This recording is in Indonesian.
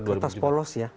kertas polos ya